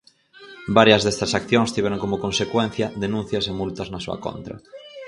Varias destas accións tiveron como consecuencia denuncias e multas na súa contra.